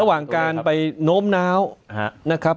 ระหว่างการไปโน้มน้าวนะครับ